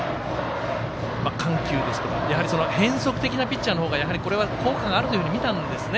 緩急ですとか変則的なピッチャーの方が効果があるというふうに見たんですね。